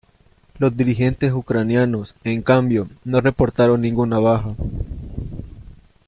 Los dirigentes ucranianos, en cambio, no reportaron ninguna baja.